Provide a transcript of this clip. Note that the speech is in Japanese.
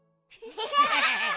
アハハハ！